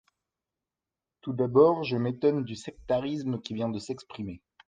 Tout d’abord, je m’étonne du sectarisme qui vient de s’exprimer.